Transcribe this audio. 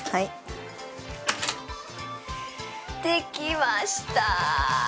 できました！